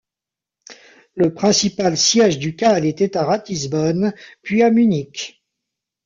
Le principal siège ducal était à Ratisbonne, puis à Munich.